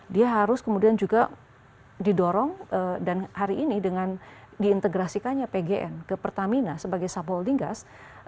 dia harus kemudian juga didorong dan hari ini dengan diintegrasikannya pgn ke pertamina sebagai subholding gas